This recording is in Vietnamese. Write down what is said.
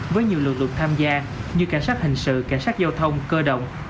với nhiều lực lượng tham gia như cảnh sát hình sự cảnh sát giao thông cơ động